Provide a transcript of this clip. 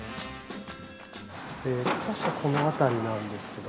確かこのあたりなんですけど。